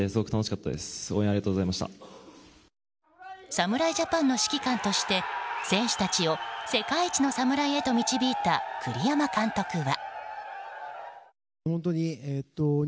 侍ジャパンの指揮官として選手たちを世界一の侍へと導いた栗山監督は。